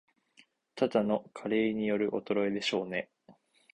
ただの加齢による衰えでしょうね